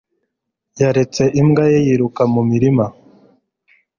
Yaretse imbwa ye yiruka mu murima